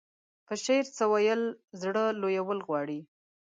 په شعر څه ويل زړه لويول غواړي.